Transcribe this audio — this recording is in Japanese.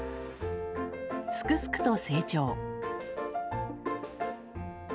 すくすくと成長。